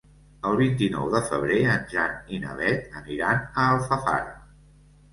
El vint-i-nou de febrer en Jan i na Beth aniran a Alfafara.